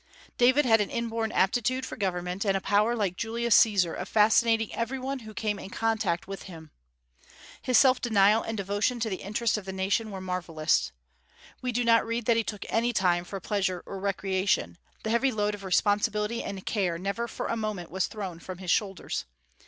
David had an inborn aptitude for government, and a power like Julius Caesar of fascinating every one who came in contact with him. His self denial and devotion to the interests of the nation were marvellous. We do not read that he took any time for pleasure or recreation; the heavy load of responsibility and care never for a moment was thrown from his shoulders.